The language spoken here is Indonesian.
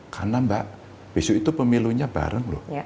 karena mbak besok itu pemilunya bareng loh